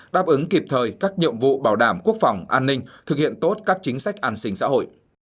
đáp ứng kịp thời các nhiệm vụ bảo đảm quốc phòng an ninh thực hiện tốt các chính sách an sinh xã hội